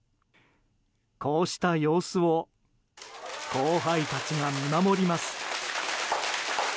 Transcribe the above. こうした様子を後輩たちが見守ります。